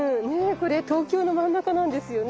これ東京の真ん中なんですよね。